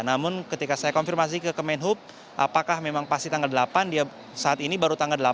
namun ketika saya konfirmasi ke kemenhub apakah memang pasti tanggal delapan dia saat ini baru tanggal delapan